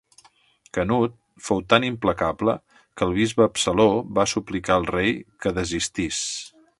Canut fou tan implacable que el Bisbe Absaló va suplicar al rei que desistís.